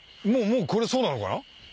もうこれそうなのかな？